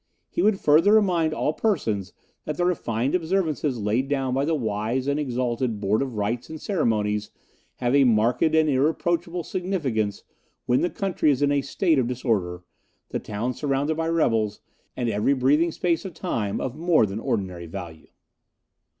He would further remind all persons that the refined observances laid down by the wise and exalted Board of Rites and Ceremonies have a marked and irreproachable significance when the country is in a state of disorder, the town surrounded by rebels, and every breathing space of time of more than ordinary value."